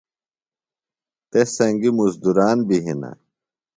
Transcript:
تس سنگیۡ مُزدُران بیۡ ہِنہ۔